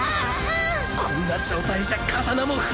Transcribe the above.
こんな状態じゃ刀も振れねえ！